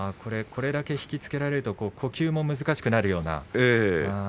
これだけ引き付けられると呼吸も難しくなるような。